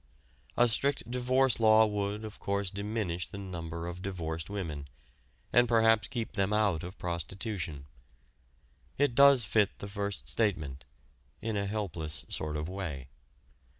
A strict divorce law would, of course, diminish the number of "divorced women," and perhaps keep them out of prostitution. It does fit the first statement in a helpless sort of way.